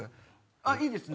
あっいいですね。